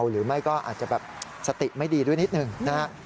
หรือไม่ก็อาจจะแบบสติไม่ดีด้วยนิดหนึ่งนะฮะ